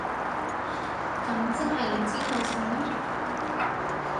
噉即係你知道晒喇？